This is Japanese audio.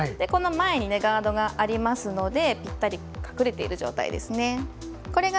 この前にガードがありますのでびったり隠れている状態ですね。